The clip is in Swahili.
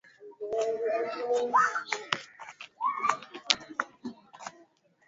pia yanapatikana Rwanda Uganda Niger na Burundi